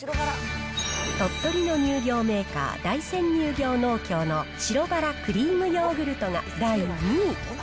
鳥取の乳業メーカー、大山乳業農協の白バラクリームヨーグルトが、第２位。